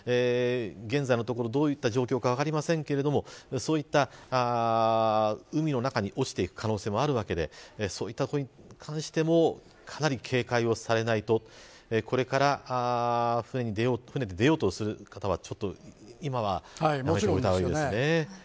現在のところ、どういった状況か分かりませんけどそういった海の中に落ちていく可能性もあるわけでそういったことに関してもかなり警戒をされないとこれから船で出ようとする方は今はお気を付けください。